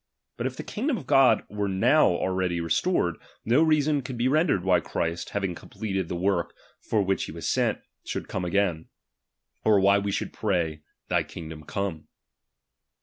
But if the kingdom of God were now already restored, no reason could be rendered why Christ, having completed the work for which he was sent, should come again ; or why we should pray, Thy kingdom come.